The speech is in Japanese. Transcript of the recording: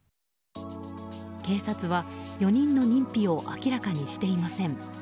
警察は、４人の認否を明らかにしていません。